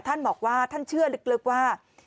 ท่านบอกว่าท่านเชื่อลึกว่า